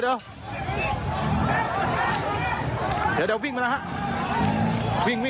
เดี๋ยววิ่งไปแล้วฮะ